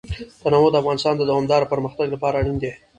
تنوع د افغانستان د دوامداره پرمختګ لپاره اړین دي.